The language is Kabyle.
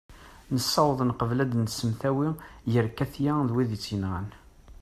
nessaweḍ neqbel ad nsemtawi gar katia d wid i tt-yenɣan